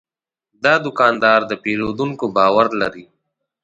دا دوکاندار د پیرودونکو باور لري.